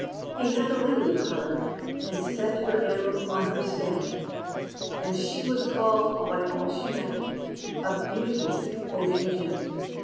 He had a lily carved, and set, Her emblem, on her stem; And she was called, by all she met, A beauteous ocean gem.